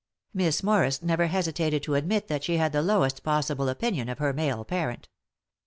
Miss Morris never hesitated to admit that she bad the lowest possible opinion of her male parent.